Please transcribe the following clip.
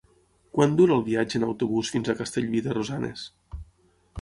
Quant dura el viatge en autobús fins a Castellví de Rosanes?